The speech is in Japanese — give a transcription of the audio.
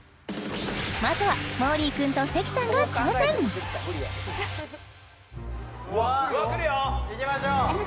まずはもーりーくんと関さんが挑戦くるよ！いきましょう！